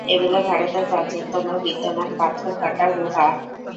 এগুলি ভারতের প্রাচীনতম বিদ্যমান পাথর-কাটা গুহা।